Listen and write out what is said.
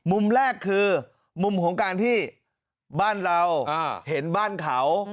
มุมแรกคือมุมของการที่บ้านเราเห็นบ้านเขา